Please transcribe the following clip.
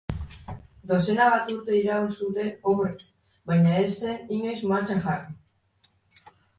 Dozena bat urte iraun zuten obrek, baina ez zen inoiz martxan jarri.